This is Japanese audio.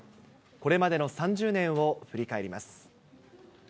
これまでの３０年を振り返ります。